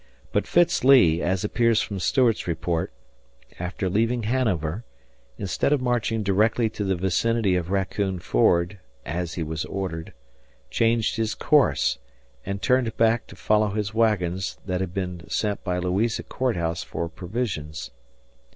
But Fitz Lee, as appears from Stuart's report, after leaving Hanover, instead of marching directly to the vicinity of Raccoon Ford, as he was ordered, changed his course and turned back to follow his wagons that had been sent by Louisa Court House for provisions.